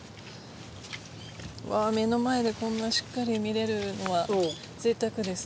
目の前でこんなしっかり見れるのはぜいたくですね。